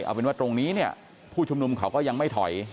เอาเป็นว่าตรงนี้พูดชมนุมเขาก็ยังไม่ถอย